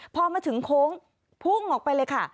พอมาถึงโค้งพุ่งออกไปเลยค่ะ